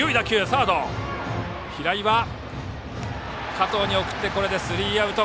加藤に送ってスリーアウト。